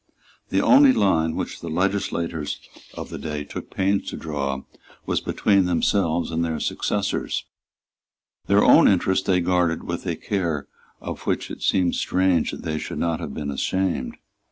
The only line which the legislators of that day took pains to draw was between themselves and their successors. Their own interest they guarded with a care of which it seems strange that they should not have been ashamed.